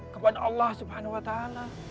kepada allah subhanahu wa ta'ala